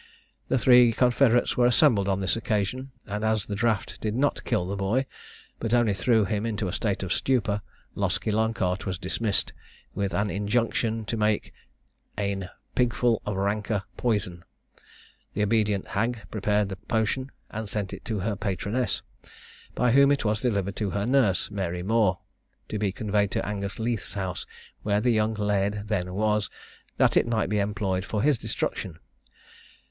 The three confederates were assembled on this occasion, and as the draught did not kill the boy, but only threw him into a state of stupor, Loskie Loncart was dismissed, with an injunction to make "ane pig full of ranker poysoune." The obedient hag prepared the potion, and sent it to her patroness, by whom it was delivered to her nurse, Mary More, to be conveyed to Angus Leith's house, where the young laird then was, that it might be employed for his destruction.